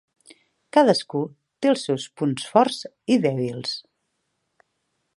Cadascú té els seus punts forts i dèbils.